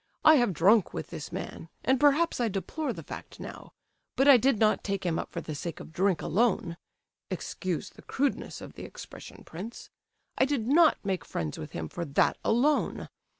I have drunk with this man, and perhaps I deplore the fact now, but I did not take him up for the sake of drink alone (excuse the crudeness of the expression, prince); I did not make friends with him for that alone.